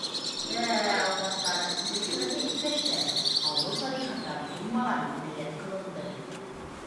— Дә-ә, ауылдаштар, дөрөҫөрәге, иптәштәр, ауыл тарихында булмаған енәйәт ҡылынды.